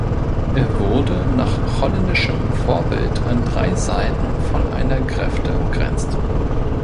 Er wurde nach holländischem Vorbild an drei Seiten von einer Gräfte umgrenzt.